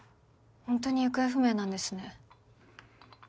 ホントに行方不明なんですね。